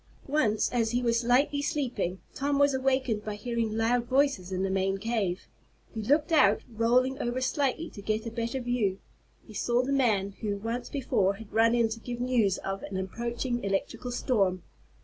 Once, as he was lightly sleeping, Tom was awakened by hearing loud voices in the main cave. He looked out, rolling over slightly to get a better view. He saw the man who, once before had run in to give news of an approaching electrical storm.